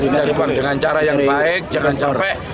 cari uang dengan cara yang baik jangan capek